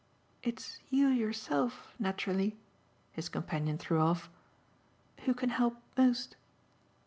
"It's you yourself, naturally," his companion threw off, "who can help most."